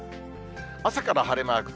朝から晴れマーク。